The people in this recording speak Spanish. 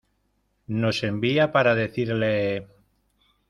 nos envía para decirle...